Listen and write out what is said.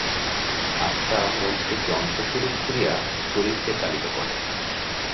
আত্মা মনকে যন্ত্রস্বরূপ করিয়া শরীরকে চালিত করে।